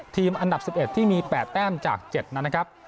อันดับ๑๑ที่มี๘แต้มจาก๗นั้นนะครับ